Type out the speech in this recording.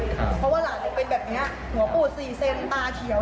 เพราะว่าหลานหนูเป็นแบบนี้หัวปูด๔เซนตาเขียว